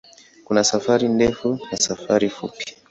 Kuna safari ndefu na safari fupi.